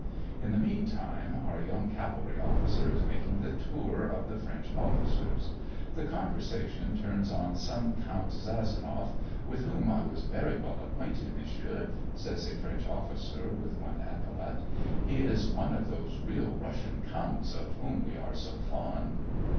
In the meantime, our young cavalry officer is making the tour of the French officers. The conversation turns on some Count Sazonoff, " with whom I was very well acquainted. Mon sieur," says a French officer, with one epaulet —" he is one of those real Russian counts, of whom we are so fond."